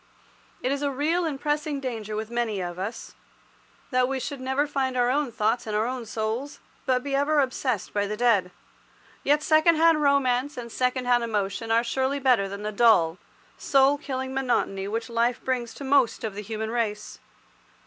It is a real and a pressing danger with many of us, that we should never find our own thoughts and our own souls, but be ever obsessed by the dead. Yet second hand romance and second hand emotion are surely better than the dull, soul killing monotony which life brings to most of the human race.